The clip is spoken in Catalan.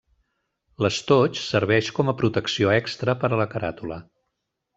L'estoig serveix com a protecció extra per a la caràtula.